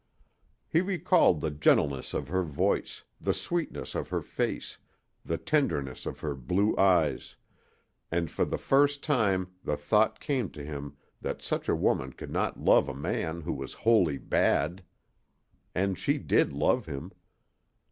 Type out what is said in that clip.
He recalled the gentleness of her voice, the sweetness of her face, the tenderness of her blue eyes, and for the first time the thought came to him that such a woman could not love a man who was wholly bad. And she did love him.